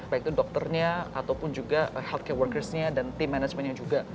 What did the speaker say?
baik itu dokternya ataupun juga healthcare workersnya dan team managementnya juga